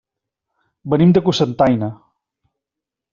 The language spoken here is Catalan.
Venim de Cocentaina.